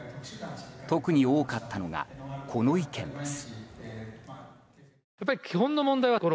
特に多かったのがこの意見です。